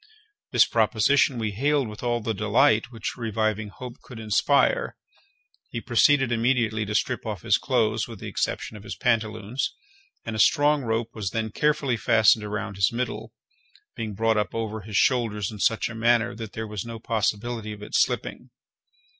This proposition we hailed with all the delight which reviving hope could inspire. He proceeded immediately to strip off his clothes with the exception of his pantaloons; and a strong rope was then carefully fastened around his middle, being brought up over his shoulders in such a manner that there was no possibility of its slipping.